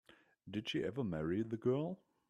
Did she ever marry the girl?